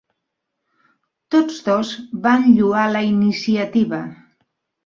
Tots dos van lloar la iniciativa.